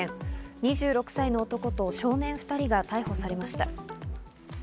２６歳の男と少年２人が逮捕されました。